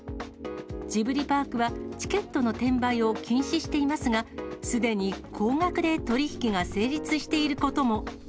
ジブリパークは、チケットの転売を禁止していますが、すでに高額で取り引きが成立していることも。